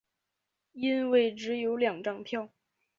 因为有两张票